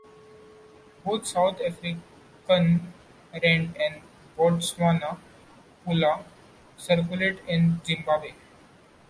Both South African rand and Botswana pula circulate in Zimbabwe.